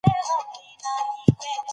ده د ازادۍ او مسووليت تړاو بيانوه.